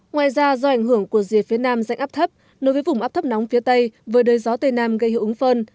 ngoài ra do ảnh hưởng của rìa phía nam dạnh áp thấp nối với vùng áp thấp nóng phía tây với đời gió tây nam gây hữu ứng phân